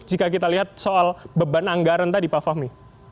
jika kita lihat soal beban anggaran tadi pak fahmi